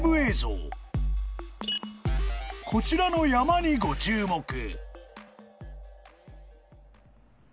［こちらの山にご注目］